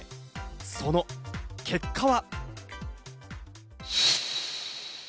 その結果は。